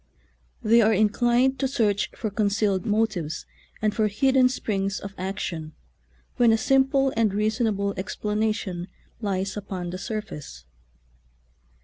They are inclined to search for concealed motives and for hid den springs of action, when a simple and reasonable explanation lies upon the sur face.